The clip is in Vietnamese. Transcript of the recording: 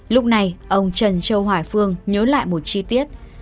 lúc này ông trần châu hoài phương nhớ lại một chi tiết